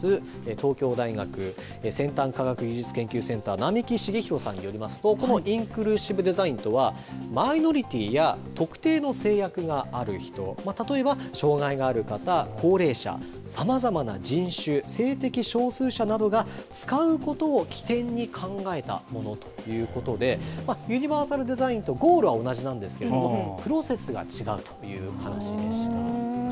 東京大学先端科学技術研究センター、並木重宏さんによりますと、このインクルーシブデザインとは、マイノリティーや特定の制約がある人、例えば、障害がある方、高齢者、さまざまな人種、性的少数者などが使うことを起点に考えたものということで、ユニバーサルデザインとゴールは同じなんですけれども、プロセスが違うという話です。